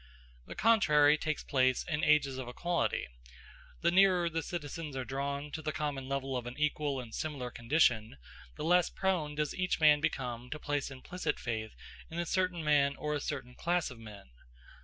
The contrary takes place in ages of equality. The nearer the citizens are drawn to the common level of an equal and similar condition, the less prone does each man become to place implicit faith in a certain man or a certain class of men.